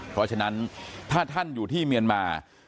เพราะฉะนั้นถ้าท่านอยู่ที่เมียนมา